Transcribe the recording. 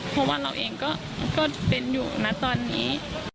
เพราะว่าเราเองก็เป็นอยู่นะตอนนี้